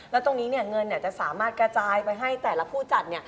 แล้วตรงนี้เงินจะสามารถกระจายไปให้แต่ละผู้จัด